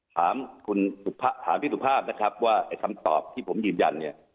ถามคุณถามพี่สุภาพนะครับว่าไอ้คำตอบที่ผมยืนยันเนี่ย